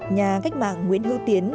nhà cách mạng nguyễn hữu tiến